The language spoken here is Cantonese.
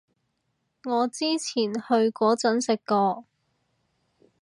我之前去嗰陣食過